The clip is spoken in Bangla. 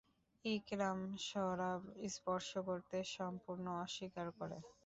ইকরামা শরাব স্পর্শ করতে সম্পূর্ণ অস্বীকার করে।